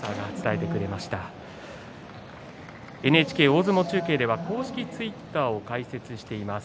ＮＨＫ大相撲中継では公式ツイッターを開設しています。